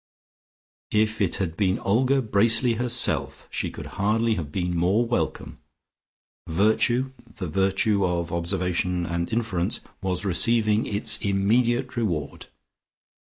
If it had been Olga Bracely herself, she could hardly have been more welcome; virtue (the virtue of observation and inference) was receiving its immediate reward.